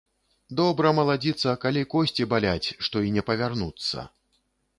Добра, маладзіца, калі косці баляць, што і не павярнуцца.